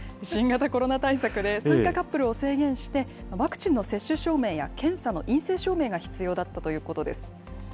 新型コロナ対策で、カップルを制限して、ワクチンの接種証明や、検査の陰性証明が必要だったということです。